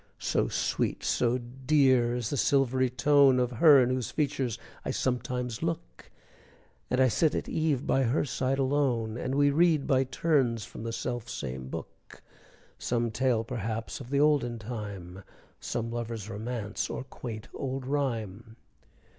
So sweet, so dear is the silvery tone, Of her in whose features I sometimes look, As I sit at eve by her side alone, And we read by turns, from the self same book, Some tale perhaps of the olden time, Some lover's romance or quaint old rhyme.